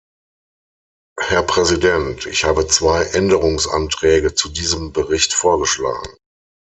Herr Präsident, ich habe zwei Änderungsanträge zu diesem Bericht vorgeschlagen.